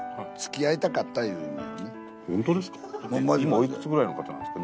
今おいくつぐらいの方なんですか？